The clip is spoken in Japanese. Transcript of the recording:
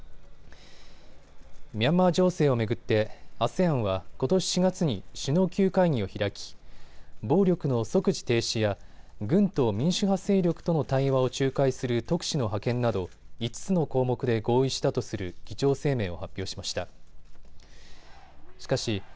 ミャンマー情勢を巡ってＡＳＥＡＮはことし４月に首脳級会議を開き暴力の即時停止や軍と民主派勢力との対話を仲介する特使の派遣など５つの項目で合意したとする議長声明を発表しました。